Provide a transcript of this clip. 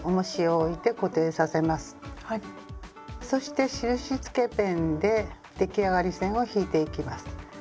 そして印つけペンで出来上がり線を引いていきます。